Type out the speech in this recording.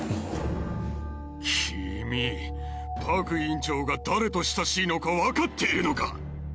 君っパク院長が誰と親しいのか分かっているのか！？